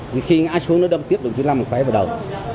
vì khi ngã xuống nó đâm tiếp đồng chí năm một cái vào đầu